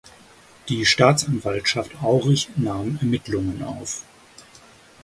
Die Staatsanwaltschaft Aurich nahm Ermittlungen auf.